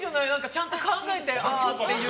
ちゃんと考えて、ああっていう。